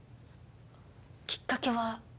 きっかけは？